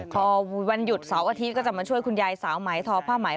พอวันหยุดเสาร์อาทิตย์ก็จะมาช่วยคุณยายสาวไหมทอผ้าไหม